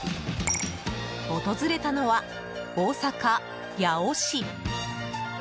訪れたのは、大阪・八尾市。